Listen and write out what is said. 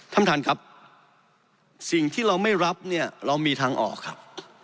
ท่านประธานครับสิ่งที่เราไม่รับเนี่ยเรามีทางออกครับ